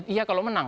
iya kalau menang